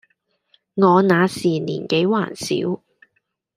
我那時年紀還小，